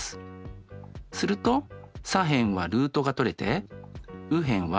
すると左辺はルートがとれて右辺は２になります。